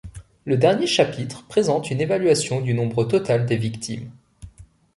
Le dernier chapitre présente une évaluation du nombre total des victimes.